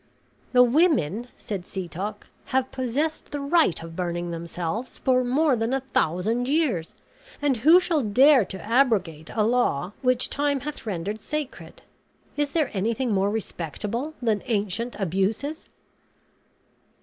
"The women," said Setoc, "have possessed the right of burning themselves for more than a thousand years; and who shall dare to abrogate a law which time hath rendered sacred? Is there anything more respectable than ancient abuses?"